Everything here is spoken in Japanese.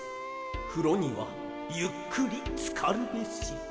「ふろにはゆっくりつかるべし」